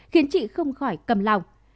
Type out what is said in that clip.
khiến chị không khỏi cầm lòng